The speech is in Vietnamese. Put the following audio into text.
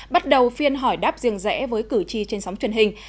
bắt đầu phiên hỏi đáp riêng rẽ với cử tri trên sóng truyền hình